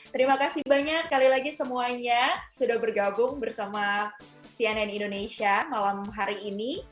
terima kasih banyak sekali lagi semuanya sudah bergabung bersama cnn indonesia malam hari ini